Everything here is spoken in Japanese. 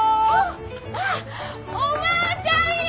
あっおばあちゃんや！